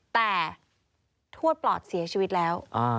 แต่ทวดปลอดเสียชีวิตแล้ว